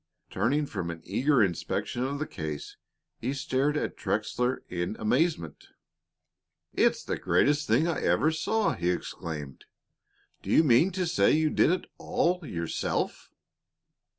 Turning from an eager inspection of the case, he stared at Trexler in amazement. "It's the greatest thing I ever saw!" he exclaimed. "Do you mean to say you did it all yourself?"